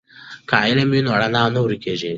که علم وي نو رڼا نه ورکیږي.